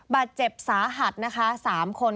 บาดเจ็บสาหัสนะคะ๓คน